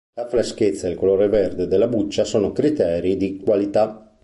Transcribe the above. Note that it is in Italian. La freschezza ed il colore verde della buccia sono criteri di qualità.